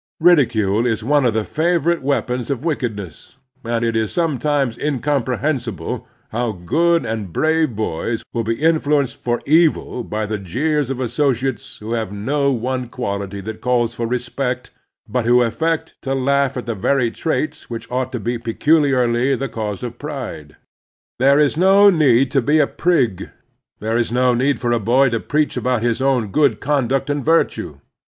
Ridicule is one of the favorite weapons of wickedness, and it is sometimes incomprehensible how good and The American Boy 155 brave boys will be influenced for evil by the jeers of associates who have no one quality that calls for respect, but who affect to laugh at the very traits which ought to be peculiarly the cause for pride. There is no need to be a prig. There is no need for a boy to preach about his own good conduct and virtue.